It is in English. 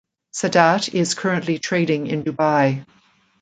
Sadat is currently trading in Dubai.